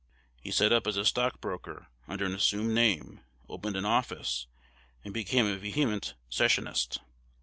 He set up as a stock broker, under an assumed name, opened an office, and became a vehement Secessionist.